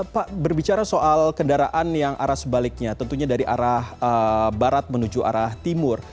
pak berbicara soal kendaraan yang arah sebaliknya tentunya dari arah barat menuju arah timur